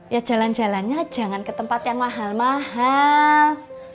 ya jalan jalannya jangan ke tempat yang mahal mahal